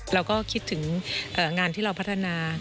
เราก็คิดถึงงานที่เราพัฒนา